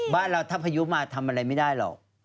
บ้านเราถ้าพายุมาทำอะไรไม่ได้หรอก